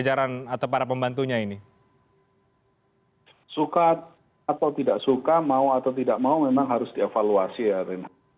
suka atau tidak suka mau atau tidak mau memang harus dievaluasi ya renat